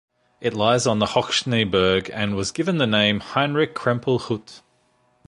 It lies on the Hochschneeberg and was given the name "Heinrich-Krempel-Hütte".